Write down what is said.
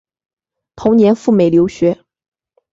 同年赴美留学。